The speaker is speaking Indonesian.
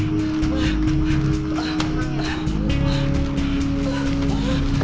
kalau kamu gak mau ninggalin dia